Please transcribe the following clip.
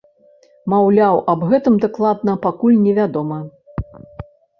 Маўляў, аб гэтым дакладна пакуль невядома.